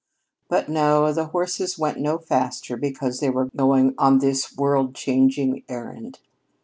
But, no, the horses went no faster because they were going on this world changing errand.